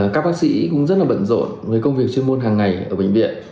các bác sĩ cũng rất là bận rộn với công việc chuyên môn hàng ngày ở bệnh viện